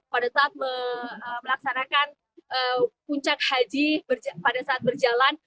pada saat melaksanakan puncak haji pada saat berjalan